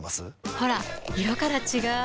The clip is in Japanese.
ほら色から違う！